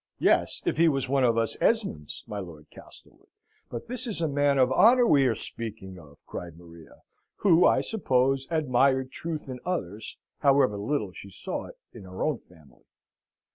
"Yes; if he was one of us Esmonds, my Lord Castlewood. But this is a man of honour we are speaking of," cried Maria, who, I suppose, admired truth in others, however little she saw it in her own family.